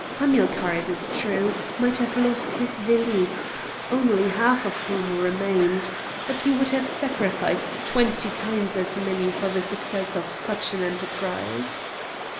Hamilcar, it is true, might have lost his velites, only half of whom remained, but he would have sacrificed twenty times as many for the success of such an enterprise.